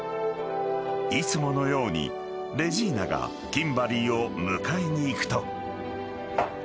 ［いつものようにレジーナがキンバリーを迎えに行くと］